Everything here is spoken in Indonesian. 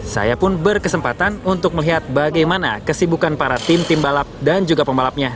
saya pun berkesempatan untuk melihat bagaimana kesibukan para tim tim balap dan juga pembalapnya